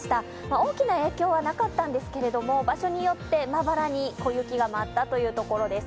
大きな影響はなかったんですけど、場所によってまばらに小雪が舞ったというところです。